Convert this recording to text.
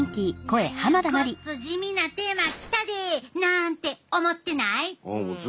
何やごっつ地味なテーマ来たで！なんて思ってない？